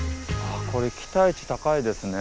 あこれ期待値高いですね。